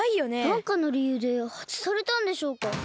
なんかのりゆうではずされたんでしょうか。